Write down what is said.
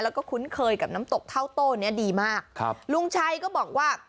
แล้วก็คุ้นเคยกับน้ำตกเท่าโต้เนี้ยดีมากครับลุงชัยก็บอกว่า